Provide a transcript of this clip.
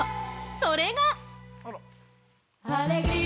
それが！